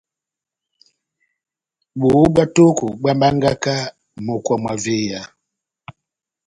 Bohó bwá tóko bohábángaka mókwa na véya.